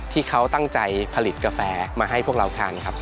ที่เขาตั้งใจผลิตกาแฟมาให้พวกเราทานครับ